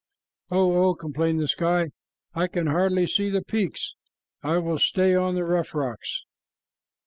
"Oh! oh!" complained the sky, "I can hardly see the peaks. I will stay on the rough rocks."